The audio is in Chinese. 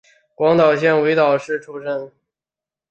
广岛县尾道市出身。